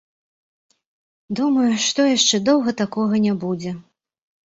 Думаю, што яшчэ доўга такога і не будзе.